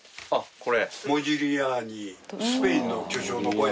これ。